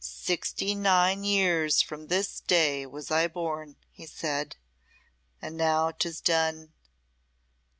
"Sixty nine years from this day was I born," he said, "and now 'tis done."